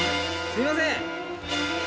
すいません